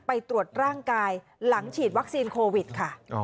ไปตรวจร่างกายหลังฉีดวัคซีนโควิดค่ะ